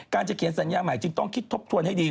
จะเขียนสัญญาใหม่จึงต้องคิดทบทวนให้ดี